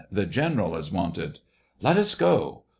The general is wanted." " Let us go.